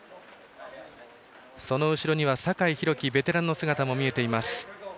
その後ろには酒井宏樹ベテランの姿も見えています。